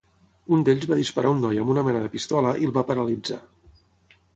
Un d'ells va disparar un noi amb una mena de pistola i el va paralitzar.